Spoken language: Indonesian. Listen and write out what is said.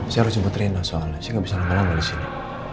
saya harus jemput rena soalnya saya gak bisa lama lama disini